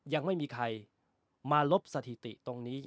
ยังไม่มีใครมาลบสถิติตรงนี้